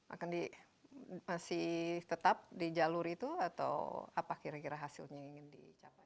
akan masih tetap di jalur itu atau apa kira kira hasilnya yang ingin dicapai